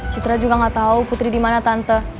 citra juga gak tahu putri di mana tante